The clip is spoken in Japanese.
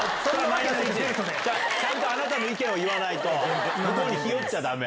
ちゃんとあなたの意見を言わないと、ひよっちゃだめ。